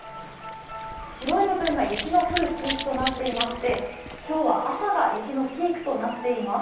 白い部分が雪の降る地域となっていまして、今日は朝が雪のピークとなっています。